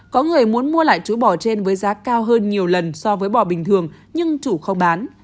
có người muốn mua lại chú bò trên với giá cao hơn nhiều lần so với bò bình thường nhưng chủ không bán